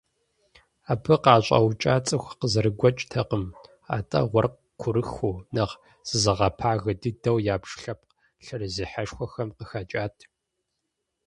Абы къыӀэщӀэукӀар цӀыху къызэрыгуэкӀтэкъым, атӀэ уэркъ курыхыу, нэхъ зызыгъэпагэ дыдэу ябж лъэпкъ лъэрызехьэшхуэхэм къыхэкӀат.